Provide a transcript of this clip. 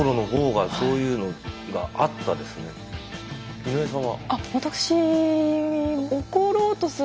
井上さんは？